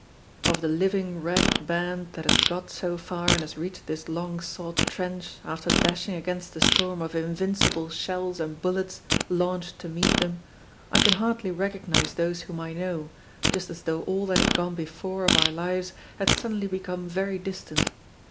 Of the living ragged band that has got so far and has reached this long sought trench after dashing against the storm of invincible shells and bullets launched to meet them, I can hardly recognize those whom I know, just as though all that had gone before of our lives had suddenly become very distant.